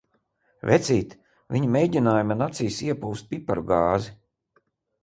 Vecīt, viņa mēģināja man acīs iepūst piparu gāzi!